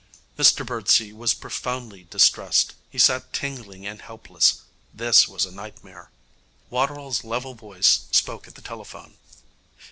Mr Birdsey was profoundly distressed. He sat tingling and helpless. This was a nightmare. Waterall's level voice spoke at the telephone.